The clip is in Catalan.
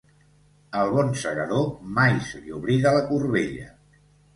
Al bon segador mai se li oblida la corbella.